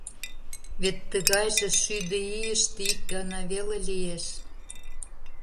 Вет тыгайже шӱдӧ ийыште ик гана веле лиеш.